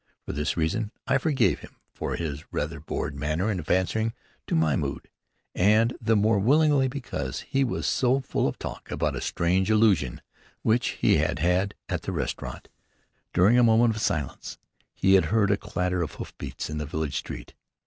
For this reason I forgave him for his rather bored manner of answering to my mood, and the more willingly because he was full of talk about a strange illusion which he had had at the restaurant. During a moment of silence, he had heard a clatter of hoof beats in the village street.